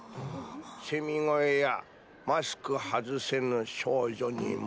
蝉声やマスク外せぬ少女にも。